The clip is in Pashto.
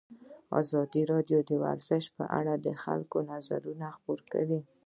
ازادي راډیو د ورزش په اړه د خلکو نظرونه خپاره کړي.